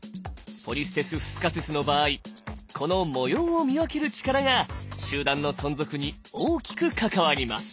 ポリステス・フスカトゥスの場合この模様を見分ける力が集団の存続に大きく関わります。